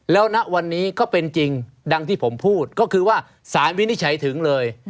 แล้วณวันนี้ก็เป็นจริงดังที่ผมพูดก็คือว่าสารวินิจฉัยถึงเลย